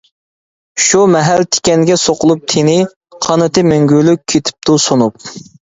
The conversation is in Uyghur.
شۇ مەھەل تىكەنگە سوقۇلۇپ تېنى، قانىتى مەڭگۈلۈك كېتىپتۇ سۇنۇپ.